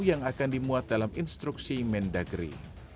yang akan dimuat dalam instruksi mendagri